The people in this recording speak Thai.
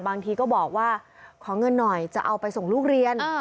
บางทีก็บอกว่าขอเงินหน่อยจะเอาไปส่งลูกเรียน